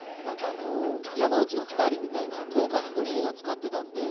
山内が２人みたいなとか透過スクリーンを使っていたので。